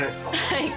はい。